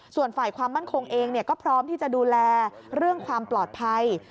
ส่วนฝ่ายความมั่นคงเองก็พร้อมที่จะดูแลเรื่องความปลอดภัย